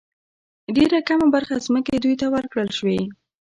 ډېره کمه برخه ځمکې دوی ته ورکړل شوې.